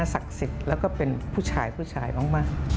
ศักดิ์ศิษย์แล้วก็เป็นผู้ชายมาก